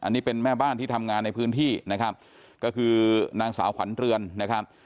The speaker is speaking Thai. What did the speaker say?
อันนี้เป็นแม่บ้านที่ทำงานในพื้นที่นะครับก็คือนางสาวขวัญเรือนนะครับ